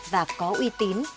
và có uy tín